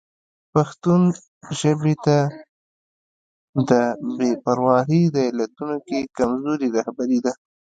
پښتو ژبې ته د بې پرواهي د علتونو کې کمزوري رهبري ده.